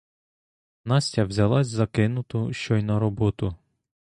Настя взялась за кинуту щойно роботу.